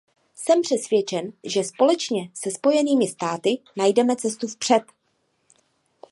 Jsem přesvědčen, že společně se Spojenými státy najdeme cestu vpřed.